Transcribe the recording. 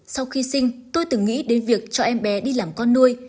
sau khi sinh tôi từng nghĩ đến việc cho em bé đi làm con nuôi